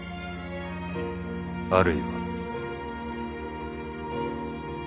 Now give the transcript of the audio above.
あるいは。